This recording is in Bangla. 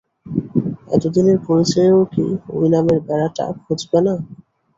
এতদিনের পরিচয়েও কি ঐ নামের বেড়াটা ঘুচবে না?